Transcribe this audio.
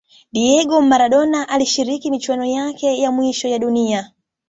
diego maradona alishiriki michuano yake ya mwisho ya dunia